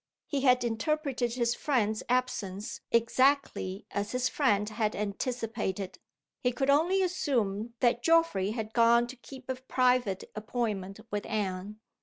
He had interpreted his friend's absence exactly as his friend had anticipated: he could only assume that Geoffrey had gone to keep a private appointment with Anne.